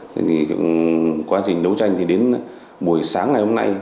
thế thì quá trình đấu tranh thì đến buổi sáng ngày hôm nay